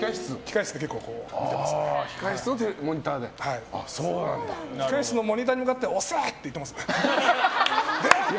控室のモニターに向かって押せ！って言ってます。